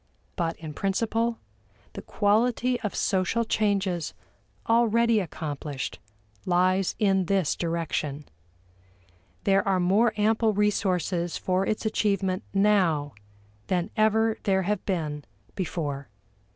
But in principle, the quality of social changes already accomplished lies in this direction. There are more ample resources for its achievement now than ever there have been before.